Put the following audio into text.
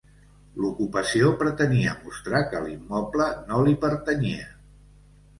L'ocupació pretenia mostrar que l'immoble no li pertanyia.